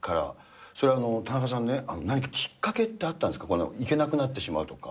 それ、田中さんね、何かきっかけってあったんですか、行けなくなってしまうとか。